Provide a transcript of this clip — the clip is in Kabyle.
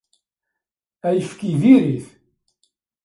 Ayefki diri-t.